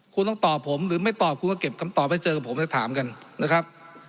คุณต้องตอบผมหรือไม่ตอบคุณก็เก็บคำตอบให้เจอกับผมแล้วถามกันนะครับ